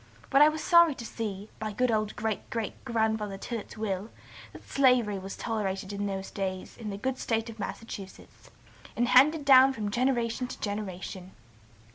But I was sorry to see, by good old great great grandfather Tillet's will, that slavery was tolerated in those days in the good State of Massachusetts, and handed down from generation to generation.